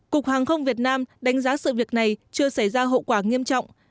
cục hàng không việt nam đánh giá sự việc này chưa xảy ra hậu quả nghiêm trọng